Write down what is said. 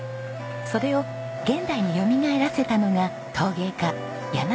それを現代によみがえらせたのが陶芸家柳屋栄さんです。